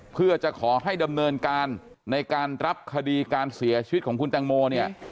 เพื่อจะขอให้ดำเนินการในการรับคดีการเสียชีวิตของคุณแตงโมเนี่ย